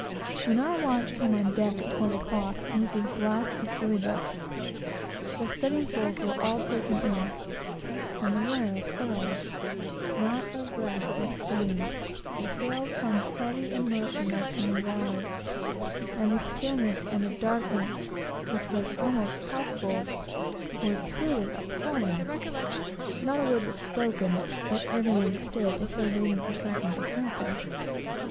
When our watch came on deck at twelve o'clock, it was as black as Erebus; the studding sails were all taken in, and the royals furled; not a breath was stirring; the sails hung heavy and motionless from the yards; and the perfect stillness, and the darkness, which was almost palpable, were truly appalling. Not a word was spoken, but every one stood as though waiting for something to happen.